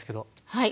はい。